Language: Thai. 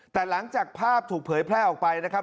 แต่หลังจากภาพถูกเผยแพร่ออกไปนะครับ